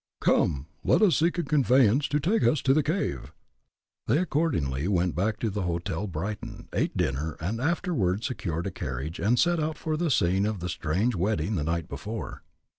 Come, let's seek a conveyance to take us to the cave." They accordingly went back to the Hotel Brighton, ate dinner, and afterward secured a carriage and set out for the scene of the strange wedding the night before.